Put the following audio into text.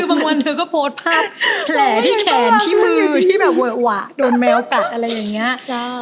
คือบางวันเธอก็โพสต์ภาพแผลที่แขนที่มือที่แบบเวอะหวะโดนแมวกัดอะไรอย่างนี้